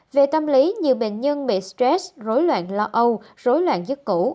về tâm lý nhiều bệnh nhân bị stress rối loạn lo âu rối loạn dứt củ